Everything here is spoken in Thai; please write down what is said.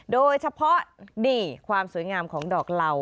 โดยเฉพาะนี่ความสวยงามของดอกเหล่า